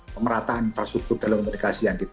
pemerataan infrastruktur telekomunikasi yang kita